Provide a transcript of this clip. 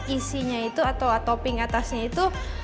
isinya itu atau topping atasnya itu